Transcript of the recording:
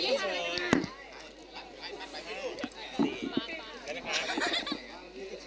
ก็มีทางเดินมากท่านผู้ชม